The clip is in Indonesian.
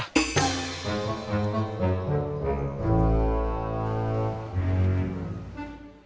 mau duduk aja